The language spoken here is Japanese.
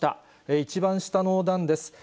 一番下の段です。